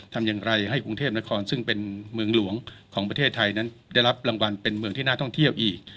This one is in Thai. ทำอย่างไรให้กรุงเทพนครซึ่งเป็นเมืองหลวงของประเทศไทยนั้นได้รับรางวัลเป็นเมืองที่น่าท่องเที่ยวอีก